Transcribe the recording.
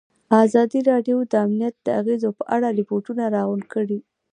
ازادي راډیو د امنیت د اغېزو په اړه ریپوټونه راغونډ کړي.